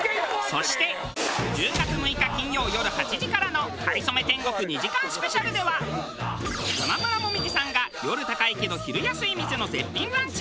そして１０月６日金曜よる８時からの『かりそめ天国』２時間スペシャルでは山村紅葉さんが夜高いけど昼安い店の絶品ランチを堪能！